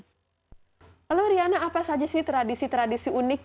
halo riana apa saja sih tradisi tradisi unik